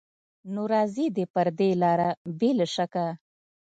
نو راځي دې پر دې لاره بې له شکه